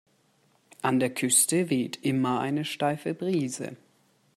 An der Küste weht immer eine steife Brise.